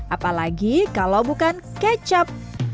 apalagi kalau bukan kecap